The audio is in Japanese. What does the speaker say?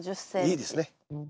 いいですね。